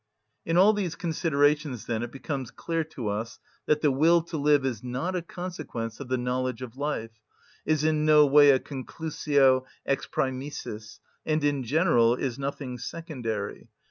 In all these considerations, then, it becomes clear to us that the will to live is not a consequence of the knowledge of life, is in no way a conclusio ex præmissis, and in general is nothing secondary.